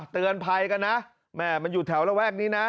เตือนภัยกันนะแม่มันอยู่แถวระแวกนี้นะ